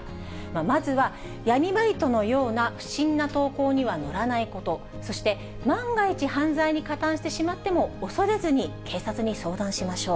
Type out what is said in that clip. まずは闇バイトのような不審な投稿には乗らないこと、そして万が一犯罪に加担してしまっても、恐れずに警察に相談しましょう。